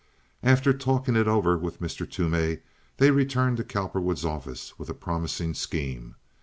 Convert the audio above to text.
After talking it over with Mr. Toomey they returned to Cowperwood's office with a promising scheme.